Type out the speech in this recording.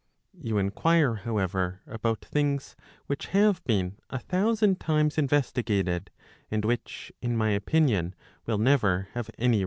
You inquire however, about things which have been a thousand times investigated, and which in my opinion will never have any.